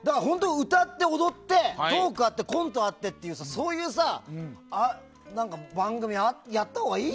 歌って踊ってトークがあってコントあってっていうさそういう番組やったほうがいいよ。